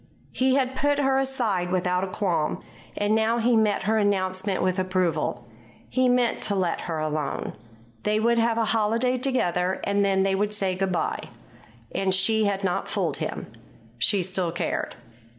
He had put her aside without a qualm; and now he met her announcement with approval. He meant to let her alone. They would have a holiday together, and then they would say good bye. And she had not fooled him. She still cared.